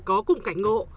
có cùng cảnh ngộ